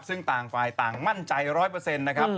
ซึ่งต่างฝ่ายต่างมั่นใจร้อยเปอร์เซ็นต์นะครับ